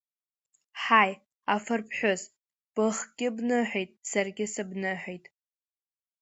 Ҳаи, афырԥҳәыс, быхгьы бныҳәеит, саргьы сыбныҳәеит!